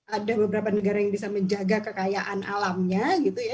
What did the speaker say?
ada beberapa negara yang bisa menjaga kekayaan alamnya gitu ya